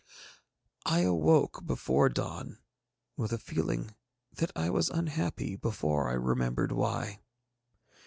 I awoke before dawn with a feeling that I was unhappy before I remembered why.